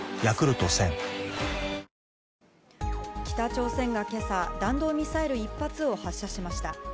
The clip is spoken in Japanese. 北朝鮮が今朝弾道ミサイル１発を発射しました。